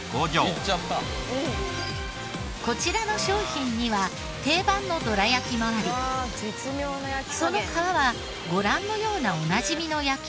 こちらの商品には定番のどら焼きもありその皮はご覧のようなおなじみの焼き色ですが。